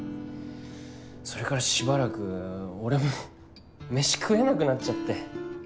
それからしばらく俺もメシ食えなくなっちゃって。